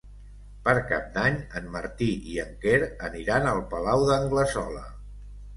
Per Cap d'Any en Martí i en Quer aniran al Palau d'Anglesola.